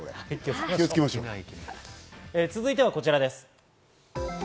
続いてはこちらです。